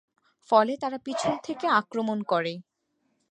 ফলে তারা পিছন থেকে আক্রমণ করে।